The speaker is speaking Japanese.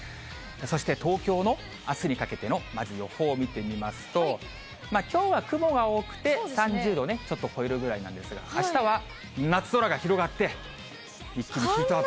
そして東京のあすにかけてのまず予報を見てみますと、きょうは雲が多くて３０度をちょっと超えるぐらいなんですが、あしたは夏空が広がって、一気にヒートアップ。